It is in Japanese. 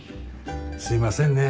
すいませんね。